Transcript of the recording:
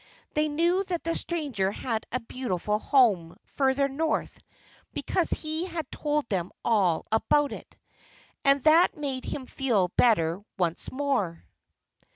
They knew that the stranger had a beautiful home, further north, because he had told them all about it. And that made him feel better once more.